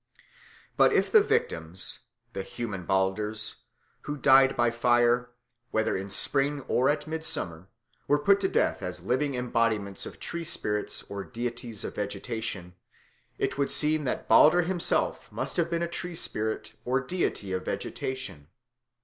But if the victims the human Balders who died by fire, whether in spring or at midsummer, were put to death as living embodiments of tree spirits or deities of vegetation, it would seem that Balder himself must have been a tree spirit or deity of vegetation.